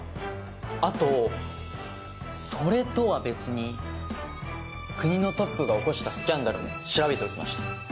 あとそれとは別に国のトップが起こしたスキャンダルも調べておきました。